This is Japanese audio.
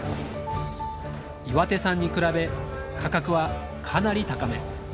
岩手産に比べ価格はかなり高め。